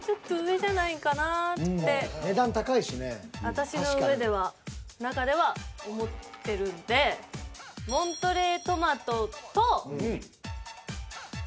私の中では思ってるんでモントレー・トマトと。